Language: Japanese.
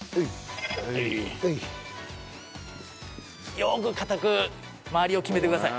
よくかたく周りを決めてください。